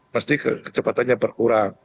pasti kecepatannya berkurang